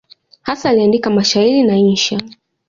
Hasa aliandika mashairi na insha.